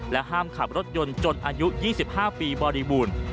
ห้ามขับรถยนต์จนอายุ๒๕ปีบริบูรณ์